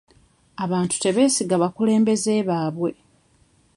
Abantu tebeesiga bakulembeze baabwe.